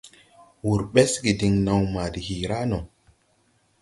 Wǔr ɓɛsge diŋ naw ma de hiiraʼ no.